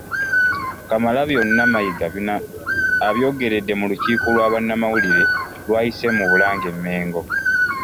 Kamalabyonna Mayiga bino abyogeredde mu lukiiko lwa bannamawulire lw'ayise mu Bulange-Mmengo